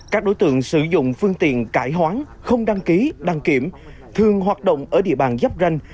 các đối tượng sử dụng phương tiện cải hoán không đăng ký đăng kiểm thường hoạt động ở địa bàn giáp ranh